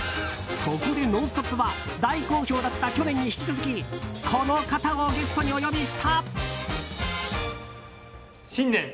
そこで「ノンストップ！」は大好評だった去年に引き続きこの方をゲストにお呼びした。